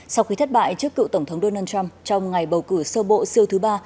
sau khi thất bại trước cựu tổng thống donald trump trong ngày bầu cử sơ bộ siêu thứ ba